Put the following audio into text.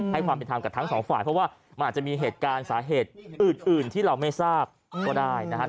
ความเป็นธรรมกับทั้งสองฝ่ายเพราะว่ามันอาจจะมีเหตุการณ์สาเหตุอื่นที่เราไม่ทราบก็ได้นะครับ